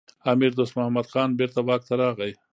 امیر دوست محمد خان بیرته واک ته راغی.